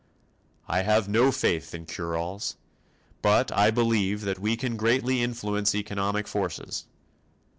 I have no faith in "cure alls" but I believe that we can greatly influence economic forces.